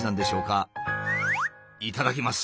いただきます。